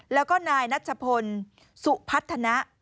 แล้วก็นายนัชพลสุพัฒนะ